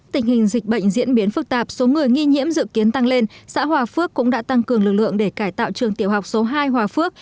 tình hình dịch bệnh diễn biến phức tạp số người nghi nhiễm dự kiến tăng lên xã hòa phước cũng đã tăng cường lực lượng để cải tạo trường tiểu học số hai hòa phước